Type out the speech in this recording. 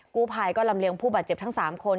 กู้ภัยก็ลำเลียงผู้บาดเจ็บทั้ง๓คน